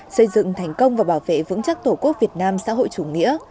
xây dựng thành công và bảo vệ vững chắc tổ quốc việt nam xã hội chủ nghĩa